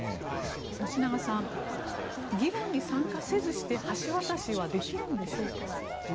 吉永さん議論に参加せずして橋渡しはできるんでしょうか。